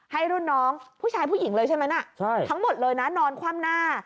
ให้รุ่นน้องผู้ชายผู้หญิงเลยใช่ไหมน่ะทั้งหมดเลยนะนอนคว่ำหน้า